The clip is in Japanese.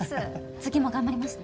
次も頑張りますね。